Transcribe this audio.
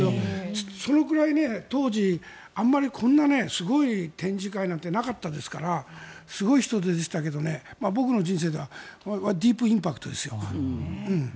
そのくらい当時、あまりこんなすごい展示会なんてなかったですからすごい人出でしたけど僕の人生ではディープインパクトですよ。